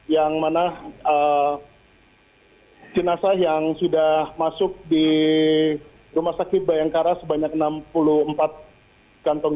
yang mana jenazah yang sudah masuk di rumah sakit bayangkara sebanyak enam puluh empat kantong